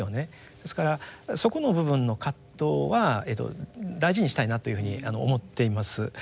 ですからそこの部分の葛藤は大事にしたいなというふうに思っています。